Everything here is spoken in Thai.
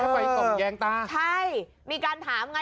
ไฟส่องแย้งตาใช่มีการถามอย่างไร